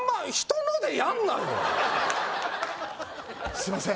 すいません